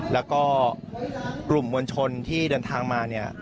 แล้วก็กลุ่มมวลชนที่เดินทางมาเนี่ย